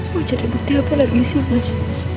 mau cari bukti apa lagi si mas